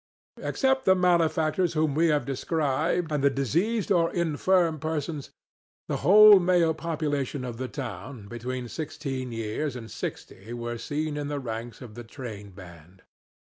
Except the malefactors whom we have described and the diseased or infirm persons, the whole male population of the town, between sixteen years and sixty were seen in the ranks of the train band.